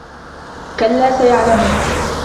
كَلّا سَيَعلَمونَ